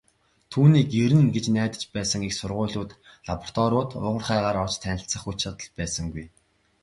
Түүнийг ирнэ гэж найдаж байсан их сургуулиуд, лабораториуд, уурхайгаар орж танилцах хүч чадал байсангүй.